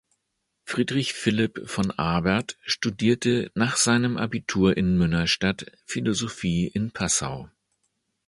Friedrich Philipp von Abert studierte nach seinem Abitur in Münnerstadt Philosophie in Passau.